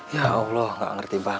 ya allah nggak ngerti banget an